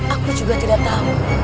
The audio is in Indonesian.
aku juga tidak tahu